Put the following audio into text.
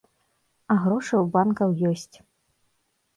А грошы ў банкаў ёсць.